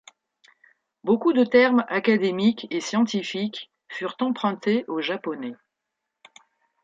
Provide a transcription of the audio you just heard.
Beaucoup de termes académiques et scientifiques furent empruntés au japonais.